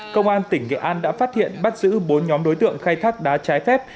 công an tỉnh nghệ an đã phát hiện bắt giữ bốn nhóm đối tượng khai thác đá trái phép